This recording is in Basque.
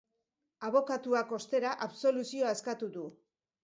Abokatuak, ostera, absoluzioa eskatu du.